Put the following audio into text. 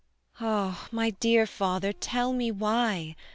Ah! my dear father, tell me why?